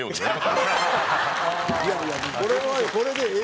いやいやこれはこれでええやんか。